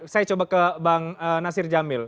saya coba ke bang nasir jamil